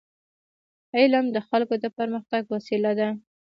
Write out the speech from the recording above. علم د خلکو د پرمختګ وسیله ده.